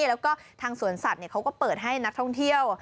แล้วก็ทางสวนสัตว์เขาก็เปิดให้นักท่องเที่ยว